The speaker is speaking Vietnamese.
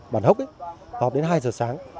bàn hốc ấy họp đến hai giờ sáng